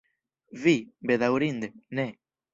Vi, bedaŭrinde, ne.